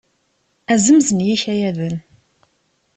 Azemz n yikayaden.